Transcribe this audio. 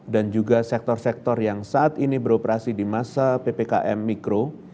dan juga sektor sektor yang saat ini beroperasi di masa ppkm mikro